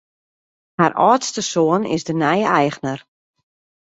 Har âldste soan is de nije eigner.